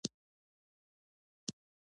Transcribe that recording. دا په تحلیل او ډیزاین کې مرسته کوي.